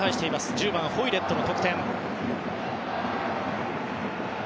１０番、ホイレットの得点。